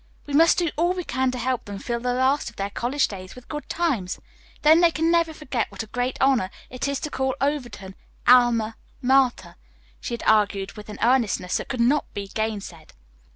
"We must do all we can to help them fill the last of their college days with good times. Then they can never forget what a great honor it is to call Overton 'Alma Mater,'" she had argued with an earnestness that could not be gainsaid.